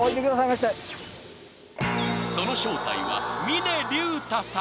［その正体は］